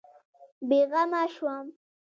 بېغمه شوم.